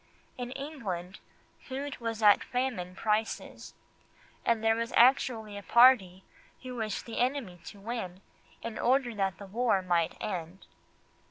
In England food was at famine prices, and there was actually a party who wished the enemy to win in order that the war might end.